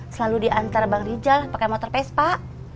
selalu diantar bang rijal pakai motor pes pak